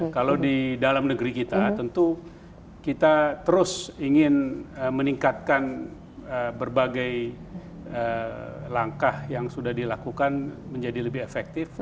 kalau di dalam negeri kita tentu kita terus ingin meningkatkan berbagai langkah yang sudah dilakukan menjadi lebih efektif